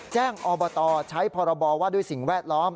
อบตใช้พรบว่าด้วยสิ่งแวดล้อม